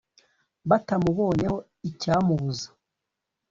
Batamubonyeho icyamubuza